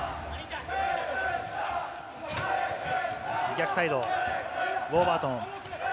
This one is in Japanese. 逆サイド、ウォーバートン。